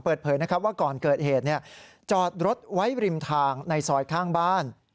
เปิดเผยนะครับว่าก่อนเกิดเหตุจอดรถไว้ริมทางในซอยข้างบ้าน